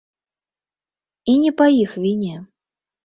І не па іх віне.